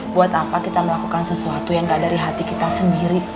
buat apa kita melakukan sesuatu yang gak dari hati kita sendiri